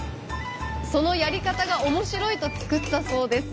そのやり方が面白いと作ったそうです。